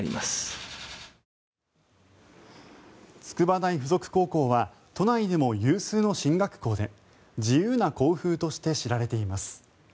筑波大附属高校は都内でも有数の進学校で自由な校風として知られています。